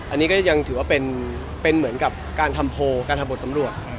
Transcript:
อันนี้ก็ยังถือว่าเป็นเหมือนกับการทำโพลการทำบทสำรวจ